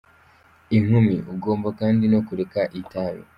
Inkumi : Ugomba kandi no kureka itabi.